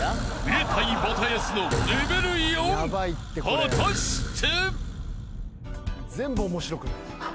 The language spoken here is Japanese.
［果たして？］